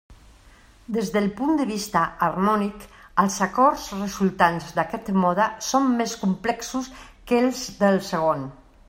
Des del punt de vista harmònic, els acords resultants d'aquest mode són més complexos que els del segon.